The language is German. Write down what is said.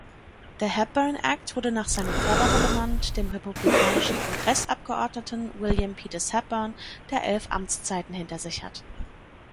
Der Hepburn Act wurde nach seinem Förderer benannt, dem republikanischen Kongressabgeordneten William Peters Hepburn, der elf Amtszeiten hinter sich hat.